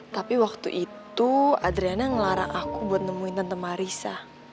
tapi waktu itu adriana ngelarang aku buat nemuin tentang marisa